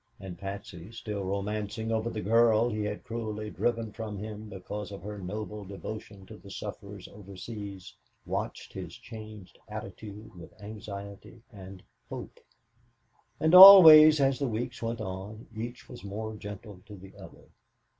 And Patsy, still romancing over the girl he had cruelly driven from him because of her noble devotion to the sufferers overseas, watched his changed attitude with anxiety and hope. And always, as the weeks went on, each was more gentle to the other.